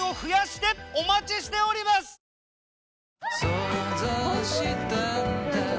想像したんだ